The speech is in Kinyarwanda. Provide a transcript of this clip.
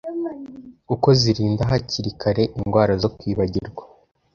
kuko zirinda hakiri kare indwara zo kwibagirwa